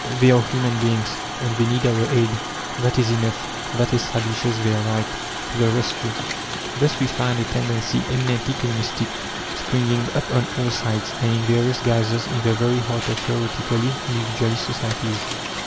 "They are human beings, and they need our aid that is enough, that establishes their right To the rescue!" Thus we find a tendency, eminently communistic, springing up on all sides, and in various guises, in the very heart of theoretically individualist societies.